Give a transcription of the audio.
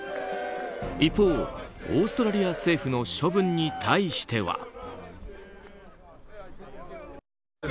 一方、オーストラリア政府の処分に対しては。